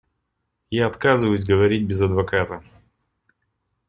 Я отказываюсь говорить без адвоката.